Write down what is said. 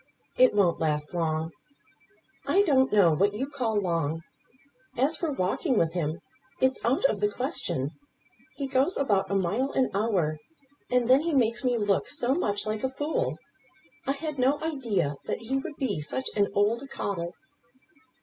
"It won't last long." "I don't know what you call long. As for walking with him, it's out of the question. He goes about a mile an hour. And then he makes me look so much like a fool. I had no idea that he would be such an old coddle."